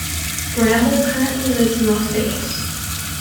Bramble currently lives in Las Vegas.